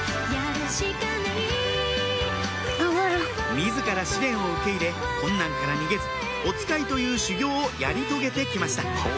自ら試練を受け入れ困難から逃げずおつかいという修行をやり遂げて来ました